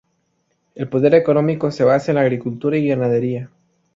El poder económico se basa en la agricultura y ganadería.